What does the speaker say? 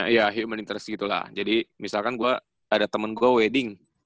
ya human interest gitu lah jadi misalkan gua ada temen gua wedding